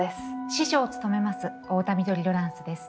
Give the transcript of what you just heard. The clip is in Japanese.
司書を務めます太田緑ロランスです。